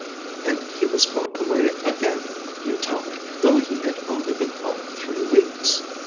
And he was going away again, you tell me, though he had only been home three weeks.